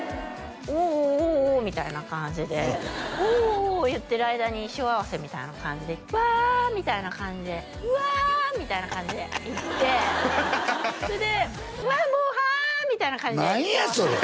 おおおおみたいな感じで「おお」言ってる間に衣装合わせみたいな感じで「わあ」みたいな感じで「うわ！」みたいな感じで行ってそれで「うわもうはあ！」みたいな感じで何やそれ！